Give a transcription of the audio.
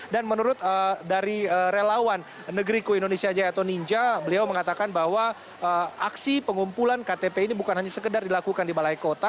dan menurut dari relawan negeri kewi indonesia jaya atau ninja beliau mengatakan bahwa aksi pengumpulan ktp ini bukan hanya sekedar dilakukan di balai kota